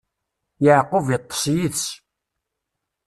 Yeɛqub iṭṭeṣ yid-s.